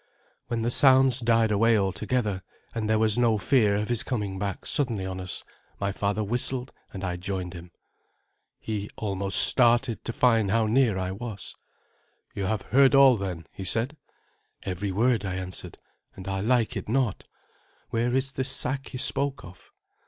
When the sounds died away altogether, and there was no fear of his coming back suddenly on us, my father whistled and I joined him. He almost started to find how near I was. "You have heard all, then?" he said. "Every word," I answered, "and I like it not. Where is this sack he spoke of?"